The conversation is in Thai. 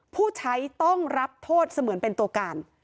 ผู้ใช้ต้องรับโทษเสมือนเป็นตัวการ